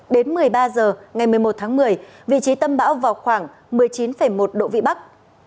đến một mươi ba h ngày một mươi một tháng một mươi vị trí tâm bão vào khoảng một mươi chín một độ vị bắc